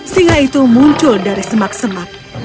singa itu muncul dari semak semak